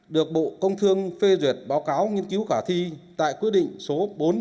được bộ công thương phê duyệt báo cáo nghiên cứu khả thi tại quyết định số bốn hai trăm chín mươi năm